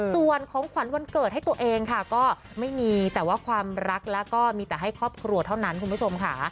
ส่วนของขวัญวันเกิดให้ตัวเองค่ะก็ไม่มีแต่ว่าความรักแล้วก็มีแต่ให้ครอบครัวเท่านั้นคุณผู้ชมค่ะ